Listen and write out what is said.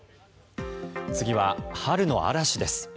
次は春の嵐です。